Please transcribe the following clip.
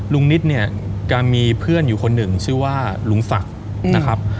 ลุงนิดเนี่ยก็มีเพื่อนอยู่คนหนึ่งชื่อว่าลุงศักดิ์นะครับ